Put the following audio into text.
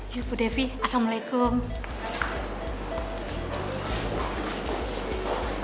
yuk bu devi assalamualaikum